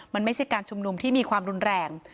มันไม่ใช่การชุมนุมที่มีความรุนแรง